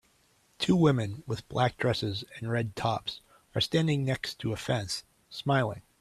Two women with black dresses and red tops are standing next to a fence smiling.